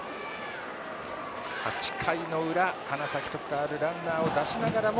８回の裏、花咲徳栄ランナーを出しながらも